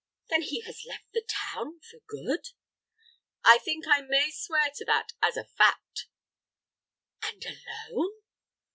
"Then he has left the town for good?" "I think I may swear to that as a fact." "And alone?"